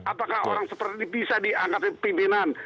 apakah orang seperti ini bisa dianggap pimpinan